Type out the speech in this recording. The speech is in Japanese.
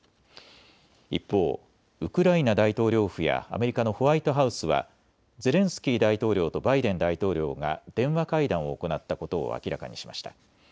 一方、ウクライナ大統領府やアメリカのホワイトハウスはゼレンスキー大統領とバイデン大統領が電話会談を行ったことを明らかにしました。